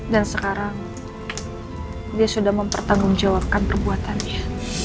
dan sekarang dia sudah mempertanggung jawabkan perbuatannya